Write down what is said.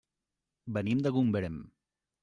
Venim de Gombrèn.